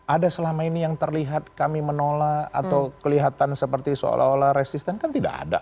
ada selama ini yang terlihat kami menolak atau kelihatan seperti seolah olah resisten kan tidak ada